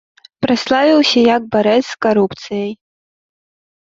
Праславіўся як барэц з карупцыяй.